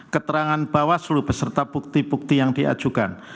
keterangan bawaslu beserta bukti bukti yang diajukan